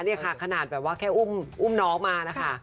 นี่ค่ะขนาดแบบว่าแค่อุ้มน้องมานะคะ